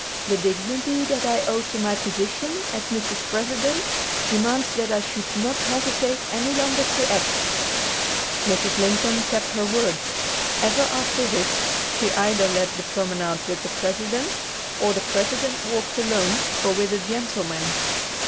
The dignity that I owe to my position, as Mrs. President, demands that I should not hesitate any longer to act." Mrs. Lincoln kept her word. Ever after this, she either led the promenade with the President, or the President walked alone or with a gentleman.